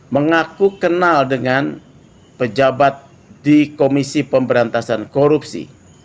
mengaku kenal dengan pejabat di komisi pemberantasan korupsi